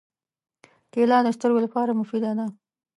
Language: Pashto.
کېله د سترګو لپاره مفیده ده.